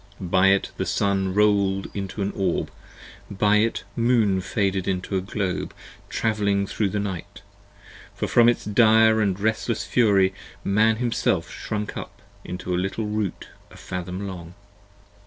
By it the Sun was roll'd into an orb: By it the Moon faded into a globe, 50 Travelling thro the night; for from its dire And restless fury Man himself shrunk up Into a little root a fathom long.